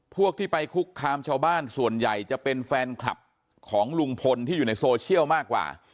พวกที่ไปคุกคามชาวบ้านส่วนใหญ่จะเป็นแฟนคลับของลุงพลที่อยู่ในโซเชียลมากกว่า